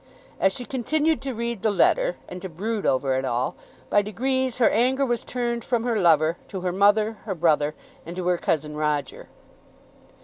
As she continued to read the letter, and to brood over it all, by degrees her anger was turned from her lover to her mother, her brother, and to her cousin Roger.